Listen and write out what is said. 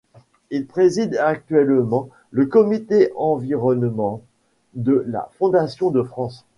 Il préside actuellement le Comité Environnement de la Fondation de France.